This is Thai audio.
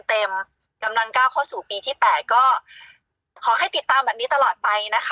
กำลังก้าวเข้าสู่ปีที่๘ก็ขอให้ติดตามแบบนี้ตลอดไปนะคะ